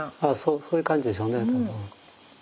そういう感じでしょうね。